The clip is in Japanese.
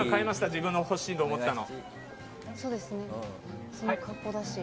自分の欲しいと思ったの。